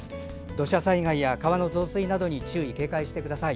土砂災害や川の増水などに注意・警戒してください。